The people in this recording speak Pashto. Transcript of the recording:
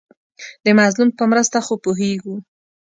د مظلوم په مرسته خو پوهېږو.